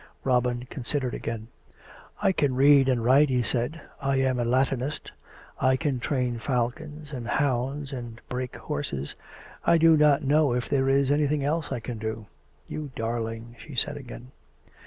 " Robin considered again. " I can read and write," he said. " I am a Latinist. I can train falcons and hounds and break horses. I do not know if there is anything else that I can do." " You darling! " she s'aid again.